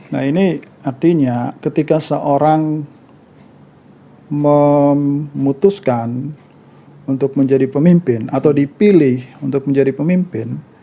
nah ini artinya ketika seorang memutuskan untuk menjadi pemimpin atau dipilih untuk menjadi pemimpin